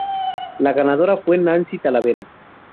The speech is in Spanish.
La ganadora fue Nancy Talavera.